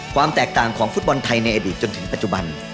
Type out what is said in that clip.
ความแตกต่างของฟุตบอลไทยในอดีตจนถึงปัจจุบัน